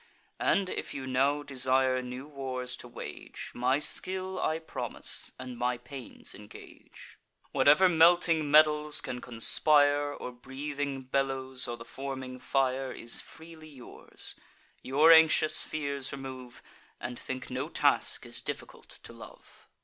And, if you now desire new wars to wage, My skill I promise, and my pains engage. Whatever melting metals can conspire, Or breathing bellows, or the forming fire, Is freely yours: your anxious fears remove, And think no task is difficult to love."